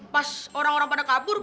pas orang orang pada kabur